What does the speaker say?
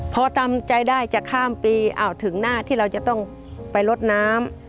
พอทำใจได้จะข้ามปีอ้าวถึงหน้าที่เราจะต้องไปลดน้ำ